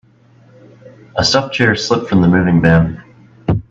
A stuffed chair slipped from the moving van.